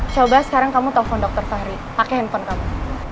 coba sekarang kamu telpon dokter fahri pakai handphone kamu